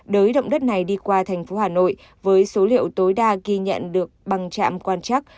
đới động đất này đi qua thành phố hà nội với số liệu tối đa ghi nhận được bằng trạm quan chắc